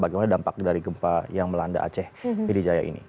bagaimana dampak dari gempa yang melanda aceh pidijaya ini